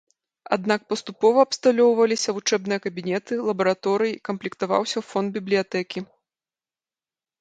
Аднак паступова абсталёўваліся вучэбныя кабінеты, лабараторыі, камплектаваўся фонд бібліятэкі.